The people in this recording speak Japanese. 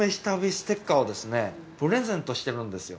ステッカーをプレゼントしてるんですよ。